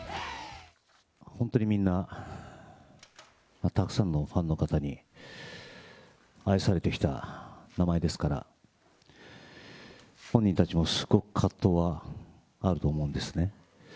本当にみんな、たくさんのファンの方に愛されてきた名前ですから、本人たちもすごく葛藤はあると思うんですね。